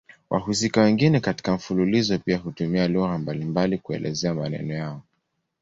Wahusika wengine katika mfululizo pia hutumia lugha mbalimbali kuelezea maneno yao.